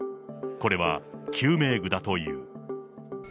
これは救命具だという。